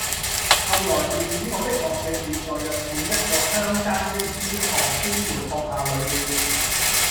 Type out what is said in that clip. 後來便使我的學籍列在日本一個鄉間的醫學專門學校裏了。